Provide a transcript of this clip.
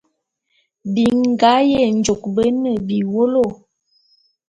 Bingá Yenjôk bé ne biwólo.